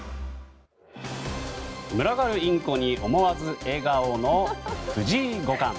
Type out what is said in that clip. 群がるインコに思わず笑顔の藤井五冠。